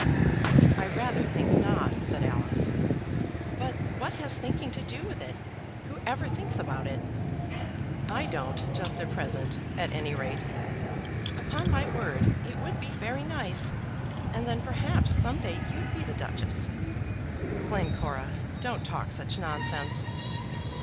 "I rather think not," said Alice. "But what has thinking to do with it? Who ever thinks about it?" "I don't just at present, at any rate." "Upon my word it would be very nice; and then perhaps some day you'd be the Duchess." "Glencora, don't talk such nonsense."